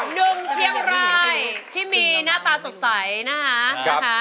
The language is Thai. หนึ่งเชียงรายที่มีหน้าตาสดใสนะคะ